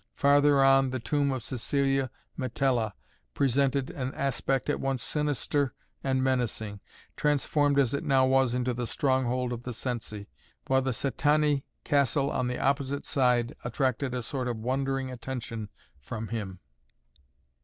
Farther on the Tomb of Cæcilia Metella presented an aspect at once sinister and menacing, transformed as it now was into the stronghold of the Cenci, while the Cætani castle on the opposite side attracted a sort of wondering attention from him.